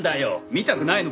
見たくないのか？